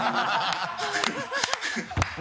ハハハ